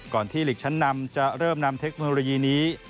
ที่หลีกชั้นนำจะเริ่มนำเทคโนโลยีนี้